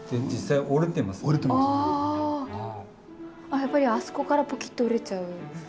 やっぱりあそこからポキッと折れちゃうんですか？